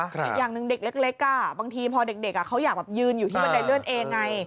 อีกอย่างหนึ่งเด็กเล็กบางทีพอเด็กเขาอยากยืนอยู่ที่บันไดเลื่อนเองไง